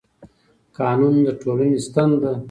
قانون د ټولنې ستن ده